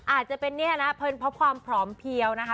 อาจจะเป็นเนี่ยนะเพลินเพราะความผอมเพียวนะคะ